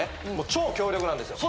超強力なんですよ